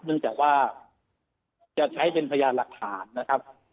เนื่องจากว่าจะใช้เป็นพยานหลักฐานนะครับ